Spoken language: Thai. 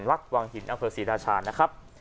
วักวังหินอศิราชานะครับ